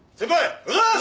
おはようございます！